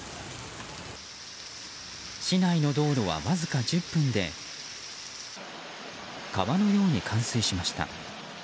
市内の道路はわずか１０分で川のように冠水しました。